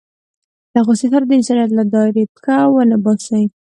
له غوسې سره د انسانيت له دایرې پښه ونه باسي.